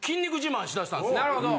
なるほど。